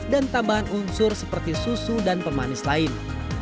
dan tambahan unsur seperti susu dan pemanis lain